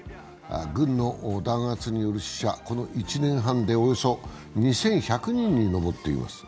軍の弾圧による死者はこの１年半でおよそ２１００人に上っています。